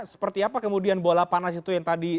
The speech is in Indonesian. seperti apa kemudian bola panas itu yang tadi